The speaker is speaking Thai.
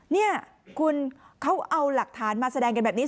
นี่คุณเขาเอาหลักฐานมาแสดงกันแบบนี้